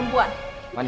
pantes aja kak fanny